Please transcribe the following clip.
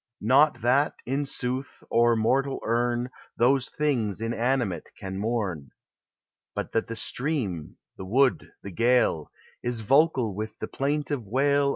Not that, in sooth, o'er mortal urn Those things inanimate can mourn ; But that the stream, the wood, the gale, Is vocal with the plaintive wail THOUGHT: POETRY: BOOKS.